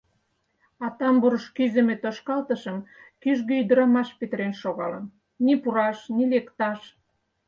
А тамбурыш кӱзымӧ тошкалтышым кӱжгӧ ӱдырамаш петырен шогалын — ни пураш, ни лекташ.